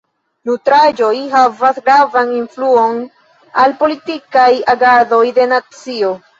Nutraĵoj havas gravan influon al politikaj agadoj de nacio.